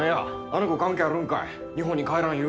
あの子関係あるんかい。